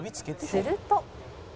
「すると」